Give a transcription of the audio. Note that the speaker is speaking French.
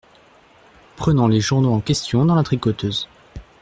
Prenant les journaux en question dans la tricoteuse.